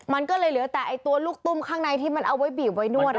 มันก็เลยเหลือแต่ตัวลูกตุ้มข้างในที่มันเอาไว้บีบไว้นวด